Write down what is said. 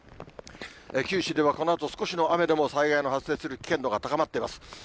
九州ではこのあと、少しの雨でも災害の発生する危険度が高まっています。